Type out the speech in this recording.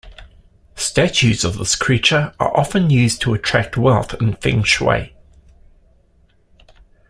Statues of this creature are often used to attract wealth in feng shui.